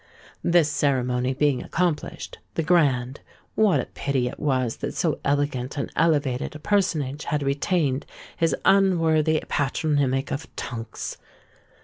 This ceremony being accomplished, the Grand (what a pity it was that so elegant and elevated a personage had retained his unworthy patronymic of Tunks!)